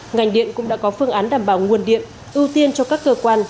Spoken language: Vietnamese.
ngành điện cũng đã có phương án đảm bảo nguồn điện ưu tiên cho các cơ quan